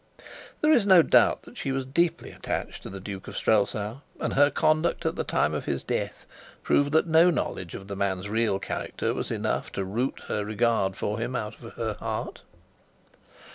There is no doubt that she was deeply attached to the Duke of Strelsau; and her conduct at the time of his death proved that no knowledge of the man's real character was enough to root her regard for him out of her heart.